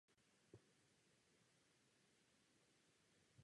Používá se především v souvislosti s obyvateli rozvojových zemí.